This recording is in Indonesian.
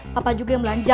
papa juga yang belanja